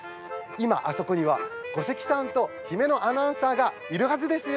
今、あそこには小関さんと姫野アナウンサーがいるはずですよ！